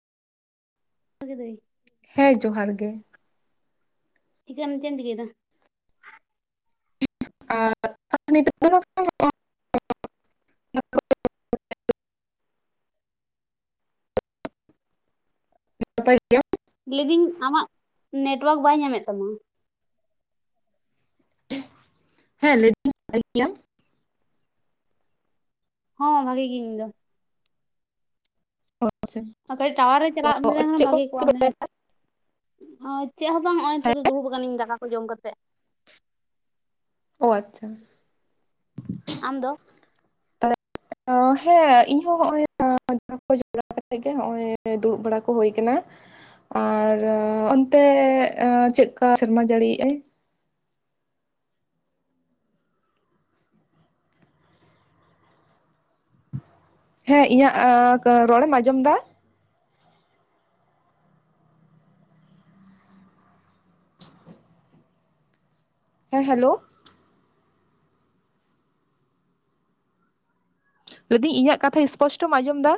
ᱡᱚᱦᱟᱨ ᱜᱮ ᱫᱟᱹᱭ ᱾ ᱦᱮᱸ ᱡᱚᱦᱟᱨ ᱜᱮ ᱾ ᱪᱤᱠᱟᱹᱢ ᱪᱮᱢ ᱪᱤᱠᱟᱹᱭ ᱫᱟ? ᱟ [unintelligible] ᱱᱟᱯᱟᱭ ᱜᱮᱭᱟ ᱾ ᱞᱟᱹᱭᱫᱟᱹᱧ ᱟᱢᱟᱜ ᱱᱮᱴᱣᱟᱨᱠ ᱵᱟᱭ ᱧᱟᱢᱮᱫ ᱛᱟᱢᱟ ᱾ ᱦᱮᱸ [unintelligible] ᱦᱚᱸ ᱵᱷᱟᱜᱤ ᱜᱤᱧ ᱤᱧ ᱫᱚ ᱾ ᱚ ᱟᱪᱪᱷᱟ ᱾ ᱟᱨ ᱠᱟᱹᱴᱤᱡ ᱴᱟᱣᱟᱨᱮ ᱪᱟᱞᱟᱜ ᱞᱮᱠᱷᱟᱱ ᱵᱷᱟᱜᱤ ᱠᱚᱣᱟ ᱢᱟᱱᱮ ᱵᱟᱲᱟᱭᱮᱫᱟ ᱟᱸ ᱪᱮᱫ ᱦᱚᱸ ᱵᱟᱝ ᱱᱚᱜᱼᱚᱭ ᱦᱮᱸ ᱱᱤᱛᱚᱜ ᱫᱚ ᱫᱩᱲᱩᱵᱽ ᱟᱠᱟᱱᱟᱹᱧ ᱫᱟᱠᱟ ᱠᱚ ᱡᱚᱢ ᱠᱟᱛᱮ ᱾ ᱚ ᱟᱪᱪᱷᱟ ᱾ ᱟᱢ ᱫᱚ? ᱛᱟᱦᱚᱞᱮ ᱦᱮᱸ ᱤᱧ ᱦᱚᱸ ᱦᱚᱜᱼᱚᱭ ᱫᱟᱠᱟ ᱠᱚ ᱡᱚᱢ ᱵᱟᱲᱟ ᱠᱟᱛᱮᱜ ᱜᱮ ᱦᱚᱜᱼᱚᱭ ᱫᱩᱲᱩᱵᱽ ᱵᱟᱲᱟ ᱠᱚ ᱦᱩᱭ ᱟᱠᱟᱱᱟ ᱾ ᱟᱨ ᱚᱱᱛᱮ ᱪᱮᱫᱠᱟ ᱥᱮᱨᱢᱟ ᱡᱟᱺᱲᱤᱭᱮᱜᱼᱟᱭ? ᱦᱮᱸ ᱤᱧᱟᱹᱜ ᱨᱚᱲᱮᱢ ᱟᱸᱡᱚᱢ ᱮᱫᱟ? ᱦᱮᱸ, ᱦᱮᱞᱳ᱾ ᱞᱟᱹᱭ ᱮᱫᱟᱹᱧ ᱤᱧᱟᱹᱜ ᱠᱟᱛᱷᱟ ᱥᱯᱚᱥᱴᱚᱢ ᱟᱸᱡᱚᱢ ᱮᱫᱟ᱾